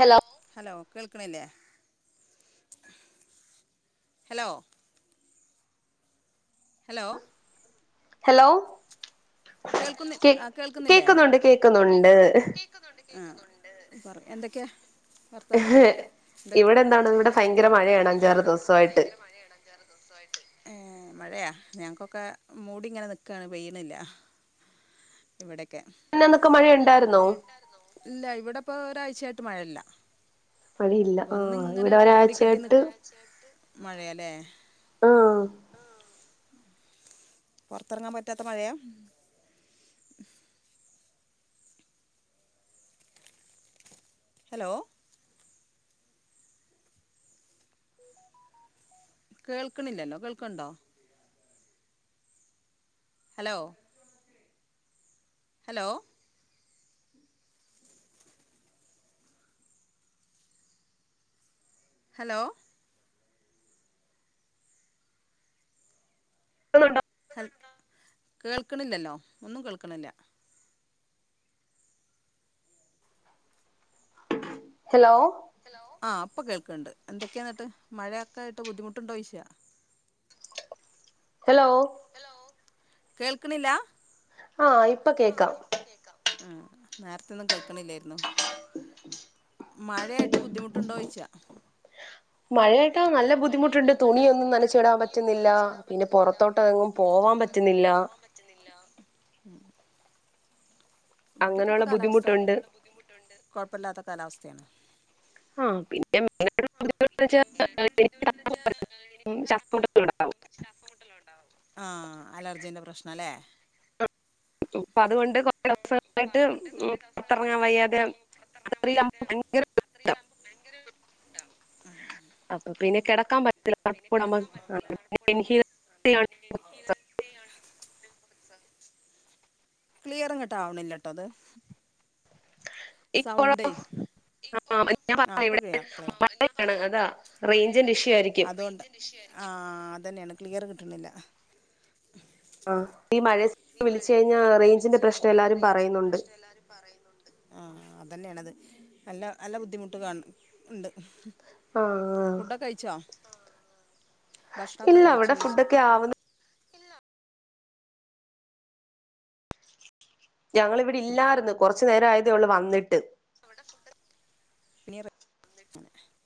Hello ലോ hello കേക്ക്ന്നില്ലേ hello hello hello കേൾക്കുന്ന കേ ആ കേൾക്കുന്നില്ലേ കേക്കുന്നുണ്ട് കേക്കുന്നുണ്ട് കേക്കുന്നുണ്ട് ആ പറ എന്തൊക്യാ ഇവിടെ എന്താണ് ഇവിടെ ഫയങ്കര മഴ ആണ് അഞ്ചാറു ദിവസായിട്ട് മഴ യ ഞങ്ങക്കൊക്കെ മൂടിങ്ങനെ നിക്കാണ് പെയ്യണില്ല ഇവിടെ മിഞ്ഞാനൊക്കെ മഴ ഉണ്ടായിരുന്നോ? ഇപം ഒരാഴ്ചയായിട്ട് മഴ ഇല്ല അതില്ല. ആഹ് അഇവടെ ഒരാഴ്ച ആയിട്ട് മഴേലേ ആഹ് പൊർത്തെറങ്ങാൻ പറ്റാത്ത മഴയാ? ഹലോ കേൾക്ണ് ഇല്ലല്ലോ. കേൾക് ണ്ടോ? ഹലോ ഹലോ ഹലോ [unintelligible] ഹൽ കേൾക്ണില്ലല്ലോ ഒന്നും കേൾക്ണില്ല ഹലോ ഹലോ ആഹ് ഇപ്പം കേൾക്ണ്ട് എന്തക്കേ ന്നട്ട് മഴയായിട്ട് ബുദ്ധിമുട്ട്ണ്ടോ? ചോയ്ക്കാ ഹലോ ഹലോ കേൾകിണില്ലാ? ആഹ് ഇപ്പം കേക്കാം ആഹ് നേരത്തെ ഒന്നും കേൾകിണില്ലായ്രന്നു മഴയായിട്ട് ബുദ്ധിമുട്ട് ഇണ്ടോ ചോയ്ച്ച മഴ ത്ത് നല്ല ബുദ്ധിമുട്ട്ണ്ട് തുണിയൊന്നും നനച്ചിടാൻ പറ്റ്ന്നില്ല പിന്നെ പൊറത്തോട്ട് എങ്ങും പോവാൻ പറ്റ്ന്നില്ല [unintelligible] ഇവടെക്കെ ഇപ്പ അങ്ങനെയുള്ള കാലാവസ്ഥ ബുദ്ധിമുട്ടുണ്ട് അങ്ങനൊള്ള ബുദ്ധിമുട്ടൊണ്ട് കൊഴപ്പില്ലാത്ത കാലാവസ്ഥയാണ് ക [unintelligible] ശ്വാസം മുട്ടലുണ്ടാവും മലേ അതുകൊണ്ട് [unintelligible] റത്തെറങ്ങാൻ വയ്യാതെ അപ്പ പിന്നെ കെടക്കാൻ പ പിന്നെ കെടക്കാൻപറ്റത്തില്ല തണുപ്പൂടാവുമ്പോ [unintelligible] ക്ളിയറിങ്ങട്ട്ആവണില്ലട്ടോ അത് ഇപ്പഴോ സൗണ്ടേ അ ഞാൻ ആ പറഞ്ഞില്ലേ ഇപ്പൊ ക്ലിയർ ഇവടെ മഴയാണ് അതാ റൈഞ്ചിന്റെ ഇഷ്യൂ ആയിരിക്കും അതുകൊണ്ട് ആ അതന്നെയാണ് ക്ലിയർ കിട്ടണില്ല ആഹ് ഈ മഴേത്ത് വിളിച്ച് പ്രശ്നം കഴിഞ്ഞാ എല്ലാരും റെയ്ഞ്ചിന്റെ പറയുന്നുണ്ട് പ്രശ്നം എല്ലാരും പറയുന്നുണ്ട് ആ അതെന്നെണത് അല്ല നല്ല ബുദ്ധിമുട്ട് കാണും ഇണ്ട് ആഹ് ഭക്ഷണമൊക്കെ ഇല്ല ഇവട കഴിച്ചോ ചോദിച്ചാ ഫുഡക്ക ആവന്ന് ഞങ്ങളിവിടെ ഇല്ലാർന്ന് കൊറച്ച് നേരആയതേ ഒള്ളു വന്നിട്ട് [unintelligible]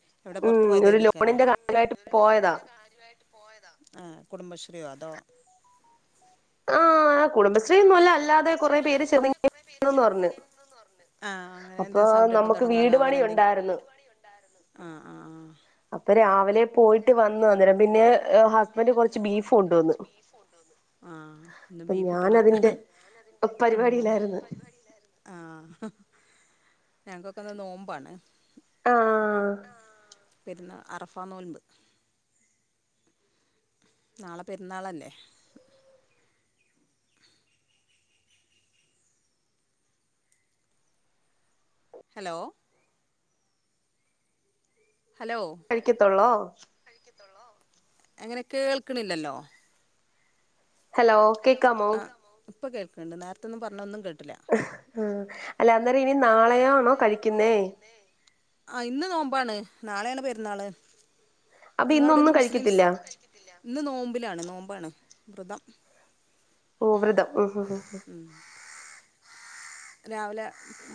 പുറത്ത് ഉം പോയത് ഒര് നിൽക്കല്ലേ ലോണിന്റെ കാര്യാട്ട് പോയതാ. പോയതാ ആഹ് കുടുംബശ്രീയോ അതോ ആഹ് കുടുംബശ്രീയൊന്നുവല്ല. അല്ലാതെ കൊറെപ്പേര് ചേർന്നിങ്ങനെ ന്ന് പറഞ്ഞ്. ആ അപ്പ നമ്മക്ക് വീടുപ്പണിയൊ വീട് പണി ഒണ്ടായിരുന്ന് ആഹ് ആഹ് ആ അപ്പ രാവിലെ അപ്പ പോയിട്ട് വന്നു രാവിലെ അന്നേരം പോയിട്ട് പിന്നെ വന്ന് അന്നേരം പിന്നെ ഹസ്ബൻഡ് കുറച്ച് ബീഫ് ഹസ്ബന്റ് കൊണ്ടുവന്നു കൊറച്ച് ബീഫ് കൊണ്ടുവന്ന് ആഹ്, ഇന്ന് അപ്പൊ ഞാൻ ബീഫിട്ടണ് അതിന്റെ ഞാനതിന്റെ പരിപാടിയിലായിരുന്നു പരിപാടില്ലാരുന്ന് ആഹ് ഞങ്ങൊക്കൊക്കെന്ന് നോമ്പാണ്. ആ പെരുന്ന അറഫാ നോയ്മ്പ് നാളെ പെരുന്നാളല്ലേ. ഹലോ കഴിക്കത്തൊള്ളൊ? ത്തൊള്ളോ എങ്ങനെ കേൾക്കണില്ലല്ലോ ഹലോ കേക്കാമോ? ഇപ്പ കേൾക്കുണ്ട്. നേരത്തെന്നും പറഞ്ഞയൊന്നും കേ ട്ടില്ല. ആഹ് അല്ല. അന്നേരനി നാളെയാണോ കഴിക്കുന്നേ? ആഹ് ഇന്ന് നോമ്പാണ്. നാളെയാണ് പെരുന്നാള്. അപ്പൊ ഇന്നൊന്നും നിങ്ങടെവടൊന്നും മുസ്ലീംസ്? കഴിക്കത്തില്ല ഇന്ന് നോമ്പിലാണ്. നോമ്പാണ്. വ്രതം. ഓ വ്രതം ആഹ് ഹ ഹ ഹ രാവിലെ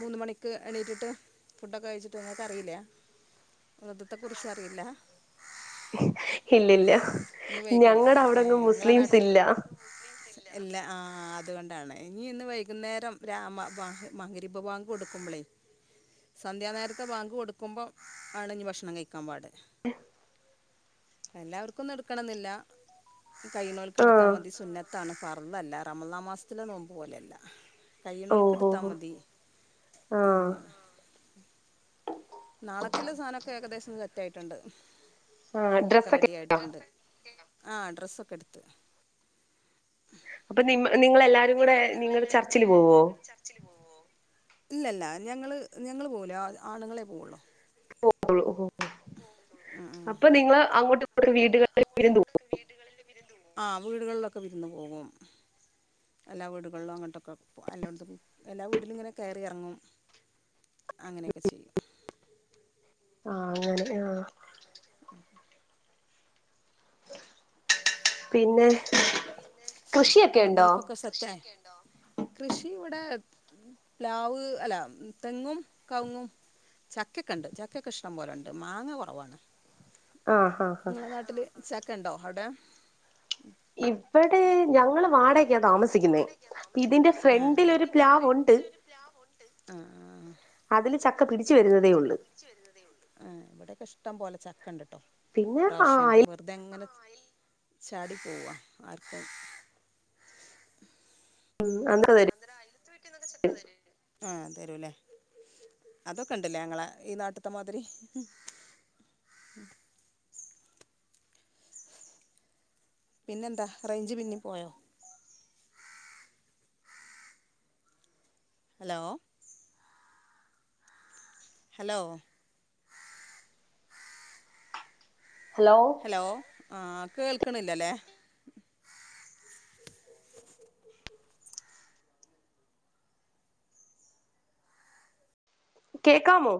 മൂന്ന് മണിക്ക് എണീറ്റിട്ട് ഫുഡൊക്കെ കഴിച്ചിട്ട് നിങ്ങക്കറിയില്ല? വ്രതത്തെക്കുറിച്ചറിയില്ല? ഇല്ലില്ല. ഇനി വൈകും ഞങ്ങെടവടെങ്ങും നിങ്ങളെ നാട്ടിൽ മുസ്ലീംസില്ല. ഇല്ല ആ അത് കൊണ്ടാണ്. ഇനി ഇന്ന് വൈകുന്നേരം രാമാ മഗ് മഗരിബ് ബാങ്ക് കൊടുക്കുമ്പളേ സന്ധ്യാനേരത്തെ ബാങ്ക് കൊടുക്കുമ്പോ ആണ് ഇനി ഭക്ഷണം കഴിക്കാൻ പാട്. എല്ലാവർക്കൊന്നും എടുക്കെണന്നില്ല. ഇ കഴിയുണോൽക്ക് എടുത്താ ആഹ് മതി. സുന്നത്താണ് ഫ ഇന്നെല്ല. റമളാൻ മാസത്തിലെ നോമ്പ് പോലെയല്ല. കഴിയണോൽക്കെടു ഓഹോ ത്താമതി. ആഹ് അങ്ങനെയാണ്. നാളക്ക്ള്ള സാധനക്കെ ഏകദേശം സെറ്റായിട്ടൊണ്ട്. ആഹ് ഒക്കെ ഡ്രസ്സൊക്കെ റെഡിയായിട്ടൊണ്ട്. ആഹ്, ഡ്രസ്സൊക്കെയെടുത്ത്. അപ്പ നിങ്ങ നിങ്ങളെല്ലാരും കൂടെ നിങ്ങള് ചർച്ചില് പോവോ? ഇല്ലല്ല, ഞങ്ങള് ഞങ്ങള് പോവൂല്ല. ആണുങ്ങളെ പോവുള്ളു [inaudible] അപ്പൊ നിങ്ങള് അങ്ങോട്ടും ഇങ്ങോട്ടും വീടുകളിൽ വിരുന്ന് പോവും ആ വീടുകളിലൊക്കെ പോവും. എല്ലാ വീടുകളിലും അങ്ങട്ടൊക്കെ എല്ലോട്ത്ത്ക്കും എല്ലാ വീട്ടിലും ഇങ്ങനെ കേറി ഇറങ്ങും. അങ്ങനെ ഒക്കെ ചെയ്യും. ആ അങ്ങനെ ആ പിന്നെ കൃഷിയൊക്കെ എന്താ ഉണ്ടോ ബീഫ് ഒക്കെ സെറ്റ് ആയോ? കൃഷി ഇവിടെ പ്ലാവ് അല്ല തെങ്ങും കവുങ്ങും ചക്കൊക്കെണ്ട് ചക്കക്കെ ഇഷ്ടംപോലെയുണ്ട് മാങ്ങ കുറവാണ്. ആഹ് ആഹ് ആഹ് ഇങ്ങളെ നാട്ടിലെ ച ക്ക ഉണ്ടോ അവിടെ ഇവിടെ ഞങ്ങൾ വാടകക്കാണ് താമസിക്കുന്നത് ഇതിന്റെ ആഹ് ഫ്രന്റിൽ ഒരു പ്ലാവ് ഉണ്ട് അതിൽ ചക് അതില് ചക്ക പിടിച്ചു വരുന്നതേയുള്ളൂ ഇഷ്ടം പോലെ ചക്ക ക്ക ഇണ്ട്ട്ടോ പിന്നെ ആ ഇപ്രാവശ്യം അയൽ വെറുതെ അങ്ങനെ ചാടി പോവാ ആർക്കും [unintelligible] ആ തരും ലെ അതൊക്കെ ഉണ്ടല്ലേ ഞങ്ങളെ ഈ നാട്ടിത്തെ മാതിരി പിന്നെ എന്താ റൈഞ്ച് പിന്നേം പോയോ ഹലോ ഹലോ ഹലോ ആ കേൾക്ക്ണില്ലല്ലെ കേക്കാമോ